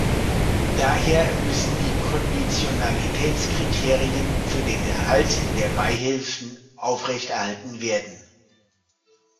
Daher müssen die Konditionalitätskriterien für den Erhalt der Beihilfen aufrechterhalten werden.